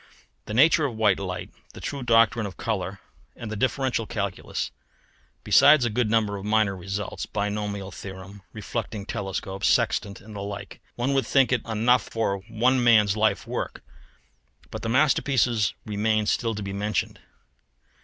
The nature of white light, the true doctrine of colour, and the differential calculus! besides a good number of minor results binomial theorem, reflecting telescope, sextant, and the like; one would think it enough for one man's life work, but the masterpiece remains still to be mentioned.